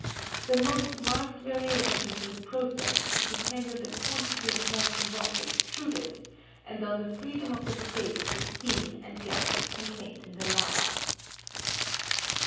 The most marked variations in the process depend on the quantity of molten rock extruded, and on the freedom of escape of the steam and gases contained in the lava.